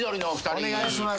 お願いします。